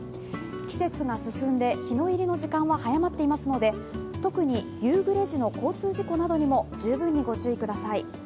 季節が進んで、日の入りの時間は早まっていますので、特に夕暮れ時の交通事故などにも十分にご注意ください。